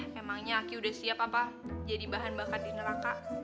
ih emangnya aki udah siap apa jadi bahan bakat di neraka